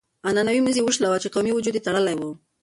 عنعنوي مزي يې وشلول چې قومي وجود يې تړلی و.